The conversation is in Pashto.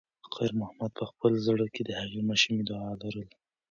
خیر محمد په خپل زړه کې د هغې ماشومې دعا لرله.